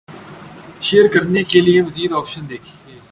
share کرنے کے لیے مزید آپشن دیکھ„یں